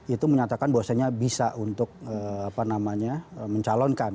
itu menyatakan bahwasannya bisa untuk mencalonkan